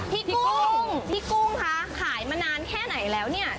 พี่กุ้งพี่กุ้งคะขายมานานแค่ไหนแล้วเนี่ย